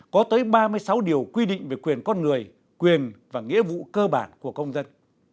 có tới ba mươi sáu điều quy định về quyền con người quyền và nghĩa vụ cơ bản của công dân